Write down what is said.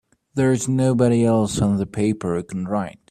There's nobody else on the paper who can write!